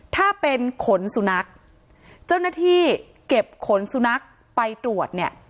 ถ้าเป็นขนสุนัขเจ้าหน้าที่เก็บขนสุนัขไปตรวจเนี่ย